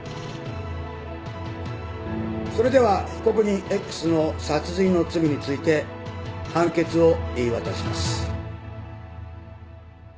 それでは被告人Ｘの殺人の罪について判決を言い渡します。